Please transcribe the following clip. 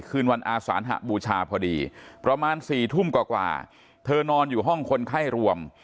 คืนวันอาสานหบูชาพอดีประมาณ๔ทุ่มกว่าเธอนอนอยู่ห้องคนไข้รวม